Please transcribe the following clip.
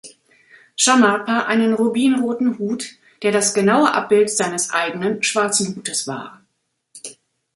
Shamarpa einen rubinroten Hut, der das genaue Abbild seines eigenen schwarzen Hutes war.